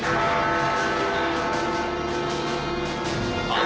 ああ！？